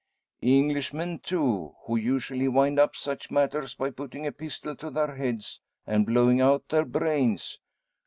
"Englishmen, too; who usually wind up such matters by putting a pistol to their heads, and blowing out their brains.